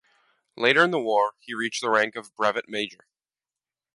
Later in the war he reached the rank of Brevet Major.